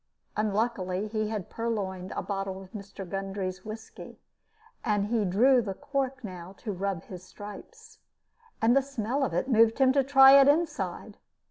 Unluckily he had purloined a bottle of Mr. Gundry's whiskey, and he drew the cork now to rub his stripes, and the smell of it moved him to try it inside.